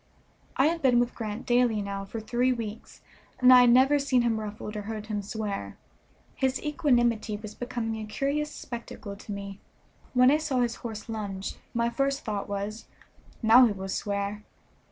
I had been with Grant daily now for three weeks, and I had never seen him ruffled or heard him swear. His equanimity was becoming a curious spectacle to me. When I saw his horse lunge my first thought was, "Now he will swear."